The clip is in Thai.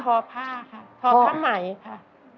อผ้าค่ะทอผ้าไหมค่ะ